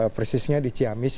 persisnya di ciamis